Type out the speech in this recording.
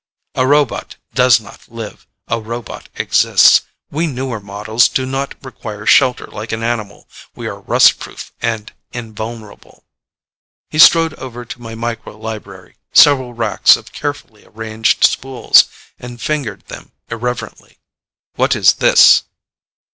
"A robot does not live. A robot exists. We newer models do not require shelter like an animal. We are rust proof and invulnerable." He strode over to my micro library, several racks of carefully arranged spools, and fingered them irreverently. "What is this?"